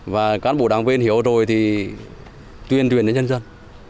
và cán bộ đảng viên hiểu rồi thì tuyên truyền cho nhân dân